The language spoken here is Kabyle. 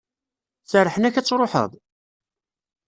Serrḥen-ak ad truḥeḍ?